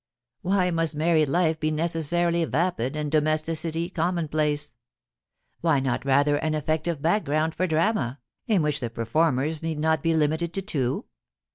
*Why must married life be necessarily vapid, and do mesticity commonplace ? Why not rather an effective back ground for drama, in which the performers need not be limited to two